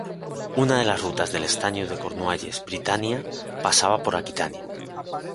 Una de las rutas del estaño de Cornualles, Britannia, pasaba por Aquitania.